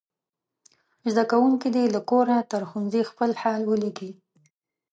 زده کوونکي دې له کوره تر ښوونځي خپل حال ولیکي.